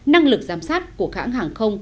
năng lực giám sát của các hãng hàng không